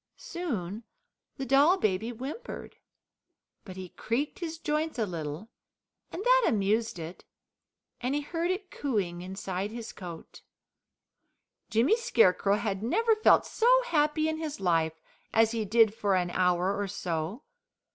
Soon the doll baby whimpered, but he creaked his joints a little, and that amused it, and he heard it cooing inside his coat. Jimmy Scarecrow had never felt so happy in his life as he did for an hour or so.